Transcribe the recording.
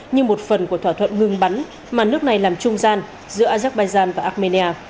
như một phần của thỏa thuận ngừng bắn mà nước này làm trung gian giữa azerbaijan và armenia